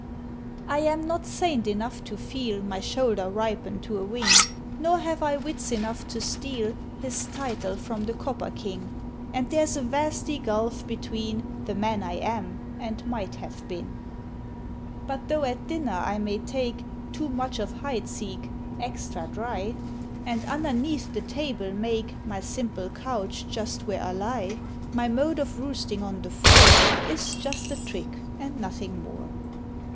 I am not saint enough to feel My shoulder ripen to a wing, Nor have I wits enough to steal His title from the Copper King; And there's a vasty gulf between The Man I Am and Might Have Been; But tho' at dinner I may take Too much of Heidsieck (extra dry), And underneath the table make My simple couch just where I lie, My mode of roosting on the floor Is just a trick and nothing more.